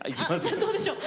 どうでしょう？